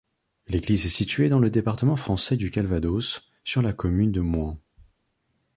L'église est située dans le département français du Calvados, sur la commune de Mouen.